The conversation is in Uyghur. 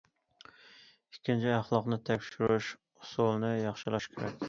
ئىككىنچى، ئەخلاقنى تەكشۈرۈش ئۇسۇلىنى ياخشىلاش كېرەك.